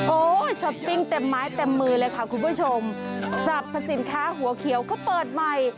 โอ้ช้อปปิ้งเต็มไม้เต็มมือเลยค่ะคุณผู้ชมสรรพสินค้าหัวเขียวก็เปิดใหม่